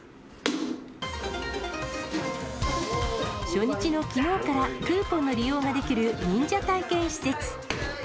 初日のきのうから、クーポンの利用ができる忍者体験施設。